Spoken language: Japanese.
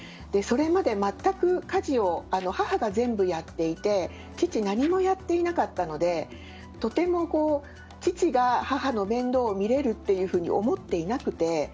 それまで家事を母が全部やっていて父は何もやっていなかったのでとても父が母の面倒を見れるというふうに思っていなくて。